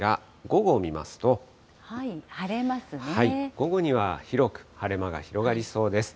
午後には広く晴れ間が広がりそうです。